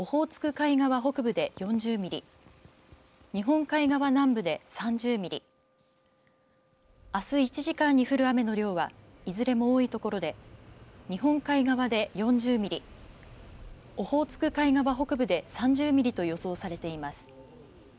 海側北部で４０ミリ日本海側南部で３０ミリあす１時間に降る雨の量はいずれも多いところで日本海側で４０ミリオホーツク海側北部で３０ミリと予想されています。